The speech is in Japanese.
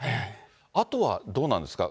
あとはどうなんですか？